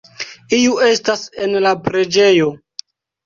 Iu estas en la preĝejo.